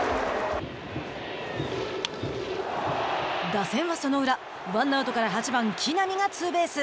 打線はその裏ワンアウトから８番木浪がツーベース。